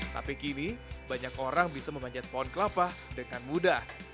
tapi kini banyak orang bisa memanjat pohon kelapa dengan mudah